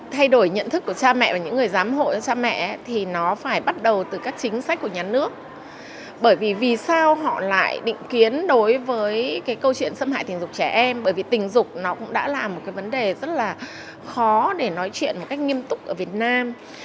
thay đổi nhận thức của cha mẹ và những người giám hộ cha mẹ thì nó phải bắt đầu từ các chính sách của nhà nước bởi vì vì sao họ lại định kiến đối với cái câu chuyện xâm hại tình dục trẻ em bởi vì tình dục nó cũng đã là một cái vấn đề rất là khó để nói chuyện một cách nghiêm túc ở việt nam